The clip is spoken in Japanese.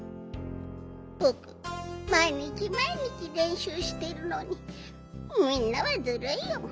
ぼくまいにちまいにちれんしゅうしてるのにみんなはずるいよ。